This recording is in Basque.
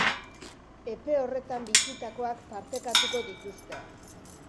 Epe horretan bizitakoak partekatuko dituzte.